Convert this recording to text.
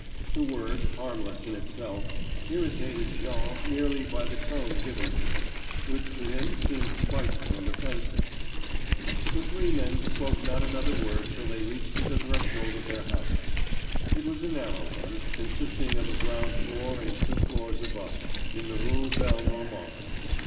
The word, harmless in itself, irritated Jean merely by the tone given to it, which to him seemed spiteful and offensive. The three men spoke not another word till they reached the threshold of their own house. It was a narrow one, consisting of a ground floor and two floors above, in the Rue Belle Normande.